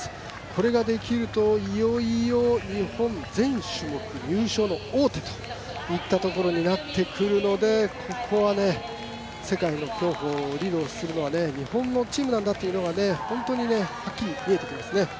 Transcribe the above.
これができるといよいよ日本全種目入賞の王手といったところになってくるのでここはね、世界の競歩リードするのは日本のチームなんだというのが本当にはっきり見えてきますね。